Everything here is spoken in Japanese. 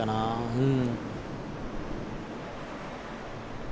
うん。